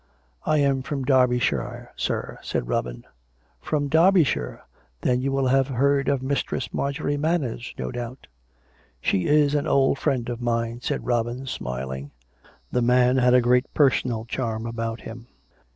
" I am from Derbyshire, sir," said Robin. " From Derbyshire. Then you will have heard of Mis tress Marjorie Manners, no doubt." " She is an old friend of mine," said Robin, smiling. (The man had a great personal charm about him.)